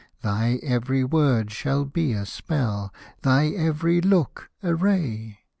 Thy every word shall be a spell, Thy every look a ray.